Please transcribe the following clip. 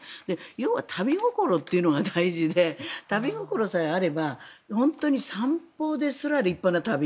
要は旅心というのが大事で旅心さえあれば本当に散歩ですら立派な旅。